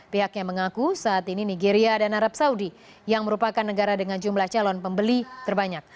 pihaknya mengaku saat ini nigeria dan arab saudi yang merupakan negara dengan jumlah calon pembeli terbanyak